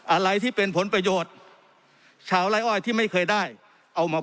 อะไรที่เป็นผลประโยชน์ชาวไล่อ้อยที่ไม่เคยได้เอามา